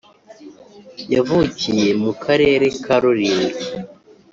yavukiye mu karere ka rulindo,